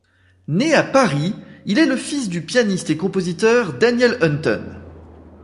Né à Paris, il est le fils du pianiste et compositeur Daniel Hünten.